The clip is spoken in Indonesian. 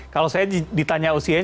kalau saya ditanya usianya